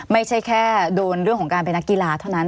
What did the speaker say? ไม่ใช่แค่โดนเรื่องของการเป็นนักกีฬาเท่านั้น